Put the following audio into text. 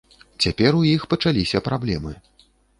Цяпер у іх пачаліся праблемы.